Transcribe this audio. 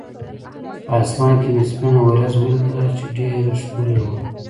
په اسمان کې مې سپینه ورېځ ولیدله، چې ډېره ښکلې وه.